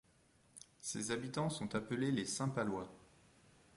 Ses habitants sont appelés les Saint-Palois.